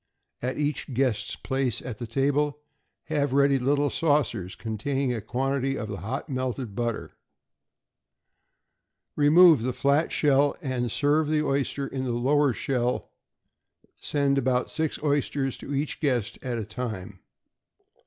At each guest's place at table have ready little saucers containing a quantity of the hot melted butter. Remove the flat shell, and serve the oyster in the lower shell; send about six oysters to each guest at a time.